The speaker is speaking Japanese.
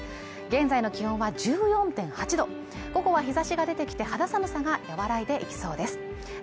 現在の気温は１４．８度午後は日差しが出てきて肌寒さが和らいでいきそうです